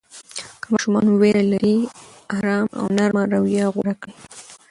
که ماشوم ویره لري، آرام او نرمه رویه غوره کړئ.